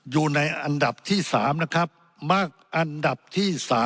อยู่ในอันดับที่๓นะครับมากอันดับที่๓